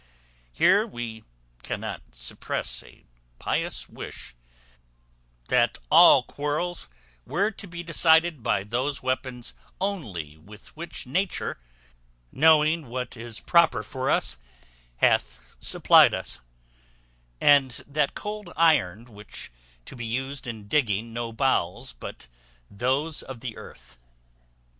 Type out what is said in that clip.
Here we cannot suppress a pious wish, that all quarrels were to be decided by those weapons only with which Nature, knowing what is proper for us, hath supplied us; and that cold iron was to be used in digging no bowels but those of the earth.